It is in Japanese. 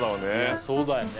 そうだね。